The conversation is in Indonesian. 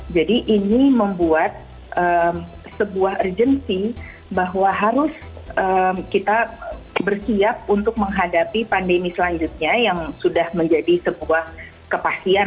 jadi ini membuat sebuah urgency bahwa harus kita bersiap untuk menghadapi pandemi selanjutnya yang sudah menjadi sebuah kepastian